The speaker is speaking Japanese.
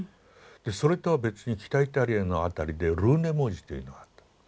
それとは別に北イタリアの辺りでルーネ文字というのがあった。